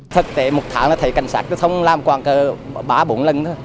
thực tế một tháng là thấy cảnh sát cơ thông làm quảng cờ ba bốn lần thôi